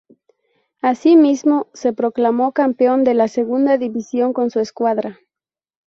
Asimismo, se proclamó campeón de la Segunda División con su escuadra.